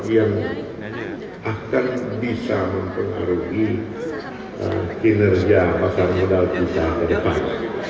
yang akan bisa mempengaruhi kinerja pasar modal kita ke depan